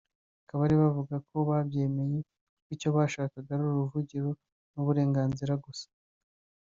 Kabarebe avuga ko babyemeye kuko icyo bashakaga ari uruvugiro n’uburenganzira gusa